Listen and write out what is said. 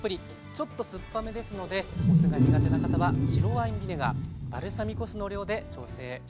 ちょっと酸っぱめですのでお酢が苦手な方は白ワインビネガーバルサミコ酢の量で調整して下さい。